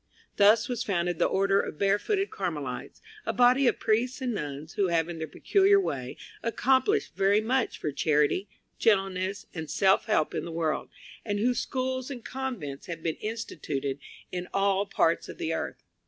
Thus was founded the Order of Barefooted Carmelites, a body of priests and nuns, who have in their peculiar way accomplished very much for charity, gentleness, and self help in the world, and whose schools and convents have been instituted in all parts of the earth.